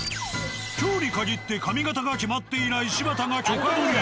今日に限って髪形が決まっていない柴田が許可取りへ。